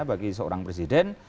bagi seorang presiden